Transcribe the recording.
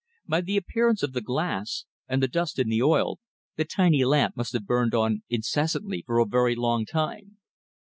By the appearance of the glass, and the dust in the oil, the tiny lamp must have burned on incessantly for a very long time.